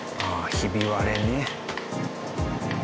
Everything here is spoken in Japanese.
ひび割れね。